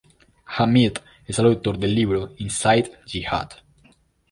Hamid es el autor del libro "Inside Jihad".